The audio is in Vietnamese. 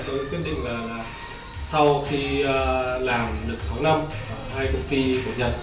tôi quyết định là sau khi làm được sáu năm ở hai công ty của nhật